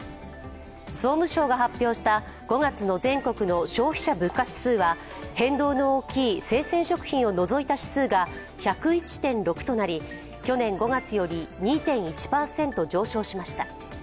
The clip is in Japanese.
総務省が発表した５月の全国の消費者物価指数は変動の大きい生鮮食品を除いた指数が１０１．６となり、去年５月より２．１％上昇しました。